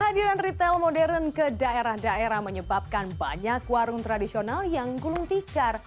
kehadiran retail modern ke daerah daerah menyebabkan banyak warung tradisional yang gulung tikar